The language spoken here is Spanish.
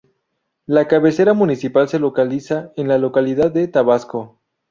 La cabecera municipal se localiza en la localidad de Tabasco.